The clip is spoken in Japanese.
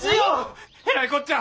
えらいこっちゃ！